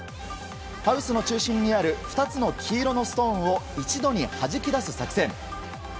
ハウスの中心にある２つの黄色のストーンを一度にはじき出す作戦。